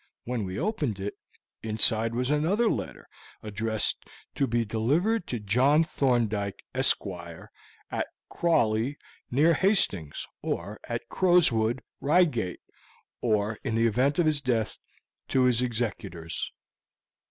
When we opened it, inside was another letter addressed 'To be delivered to John Thorndyke, Esquire, at Crawley, near Hastings, or at Crowswood, Reigate, or in the event of his death to his executors.'"